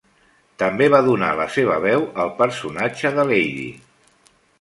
També va donar la seva veu al personatge de Lady.